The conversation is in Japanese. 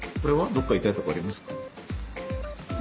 どっか痛いとこありますか？